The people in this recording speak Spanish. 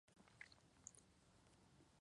Ella es la segunda más grande de cinco hijos.